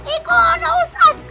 itu anak usah